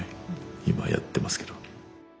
今やってますけど。